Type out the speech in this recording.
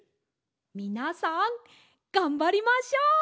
みなさんがんばりましょう！